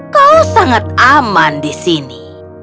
kau sangat aman di sini